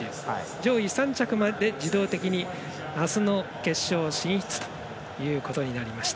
上位３着まで自動的にあすの決勝進出ということになりました。